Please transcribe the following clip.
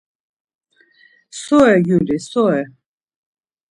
So re gyuli, so re?